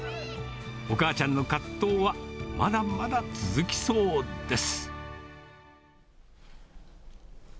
お母ちゃんの葛藤はまだまだ続きそうです。